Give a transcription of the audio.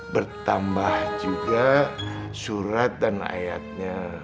bertambah juga surat dan ayatnya